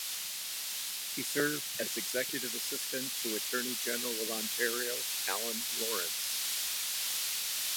He served as executive assistant to Attorney General of Ontario Allan Lawrence.